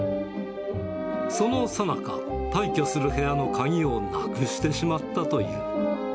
そのさなか、退去する部屋の鍵をなくしてしまったという。